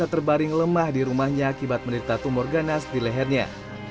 terbaring lemah di rumahnya akibat menderita tumor ganas di lehernya